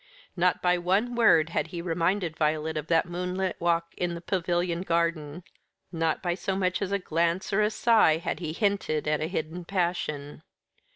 Not by one word had he reminded Violet of that moonlight walk in the Pavilion garden; not by so much as a glance or a sigh had he hinted at a hidden passion.